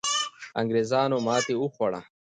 انګریزانو ماتې وخوړه.